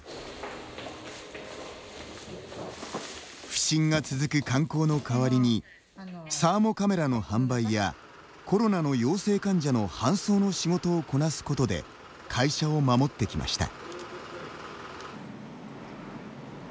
不振が続く観光の代わりにサーモカメラの販売やコロナの陽性患者の搬送の仕事をこなすことで会社を守ってきました。